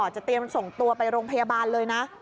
เตรียมส่งตัวไปโรงพยาบาลเลยนะ